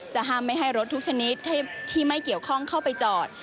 ห้ามไม่ให้รถทุกชนิดที่ไม่เกี่ยวข้องเข้าไปจอด